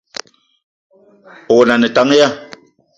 Owono a ne tank ya ?